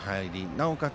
なおかつ